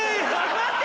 待って！